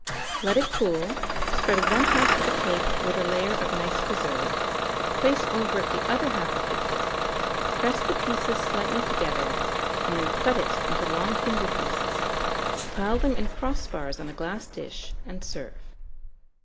Let it cool, spread one half of the cake with a layer of nice preserve, place over it the other half of the cake, press the pieces slightly together, and then cut it into long finger pieces; pile them in crossbars on a glass dish, and serve.